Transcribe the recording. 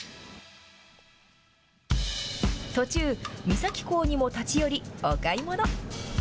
途中、三崎港にも立ち寄りお買い物。